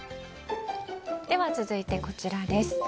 では、続いてこちらです。